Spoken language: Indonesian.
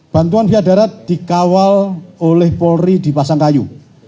bantuan biadarat dikawal oleh polri di pasangkayu